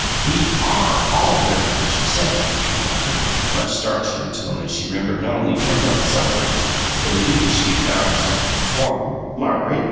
"We ARE all very much upset," returned Margaret, more starch in her tone as she remembered not only Penrod's sufferings but a duty she had vowed herself to perform. "Margaret!